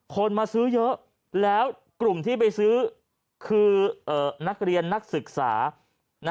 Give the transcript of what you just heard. คนมาซื้อเยอะแล้วกลุ่มที่ไปซื้อคือนักเรียนนักศึกษา